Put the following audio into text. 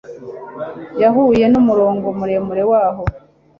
yahuye n'umurongo muremure waho